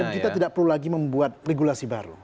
dan kita tidak perlu lagi membuat regulasi baru